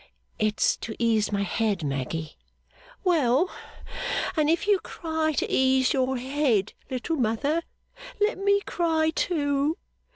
'It's to ease my head, Maggy.' 'Well, and if you cry to ease your head, Little Mother, let me cry too.